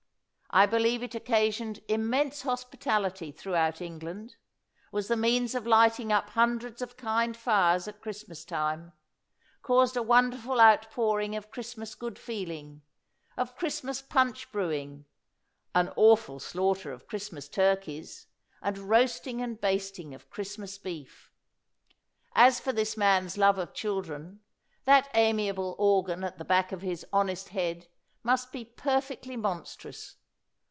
I believe it oc casioned immense hospitality throughout Eng land; was the means of lighting up hundreds of kind fires at Christmas time ; caused a wonder ful outpouring of Christmas good feeling, of Christmas punch brewing ; an awful slaughter of Christmas turkeys, and roasting and basting of Christmas beef. As for this man's love of children, that amiable organ at the back of his honest head must be perfectly monstrous.